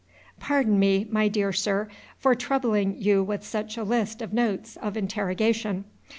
Pardon me, my dear Sir, for troubling you with such a list of notes of interrogation.